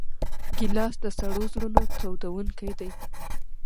ګیلاس د سړو زړونو تودوونکی دی.